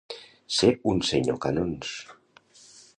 Ser un senyor Canons.